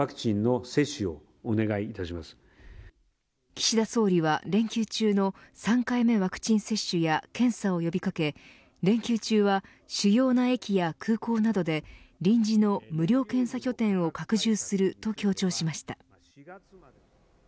岸田総理は連休中の３回目ワクチン接種や検査を呼び掛け連休中は主要な駅や空港などで臨時の無料検査拠点を拡充すると強調しました。